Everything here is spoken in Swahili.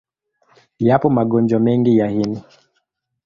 Yapo magonjwa mengi ya ini.